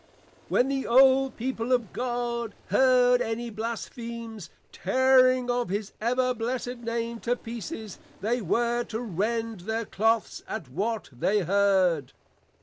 When the old people of God heard any Blasphemies, tearing of his Ever Blessed Name to pieces, they were to Rend their Cloaths at what they heard.